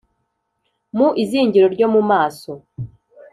mu izingiro ryo mu maso